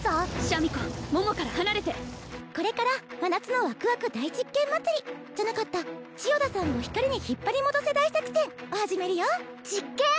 シャミ子桃から離れてこれから真夏のワクワク大実験祭じゃなかった千代田さんを光に引っ張り戻せ大作戦！を始めるよ実験！？